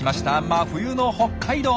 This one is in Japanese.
真冬の北海道。